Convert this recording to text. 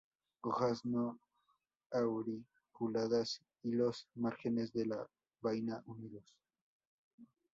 Hojas no auriculadas y los márgenes de la vaina unidos.